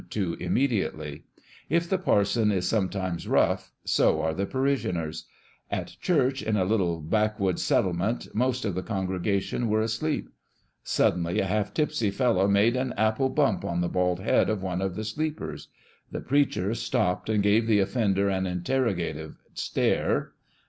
too immediately. If the parson is sometimes rough so are the parish ioners ! At church in a little backwoods settle ment most of the congregation were asleep. Suddenly a half tipsy fellow made an apple bump on the bald head of one of the sleepers. The preacher stopped and gave the offender an interrogative stare.